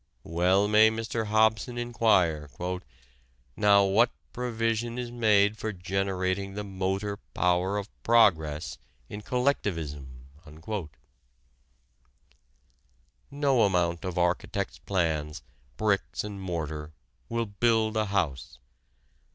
Well may Mr. Hobson inquire, "Now, what provision is made for generating the motor power of progress in Collectivism?" No amount of architect's plans, bricks and mortar will build a house.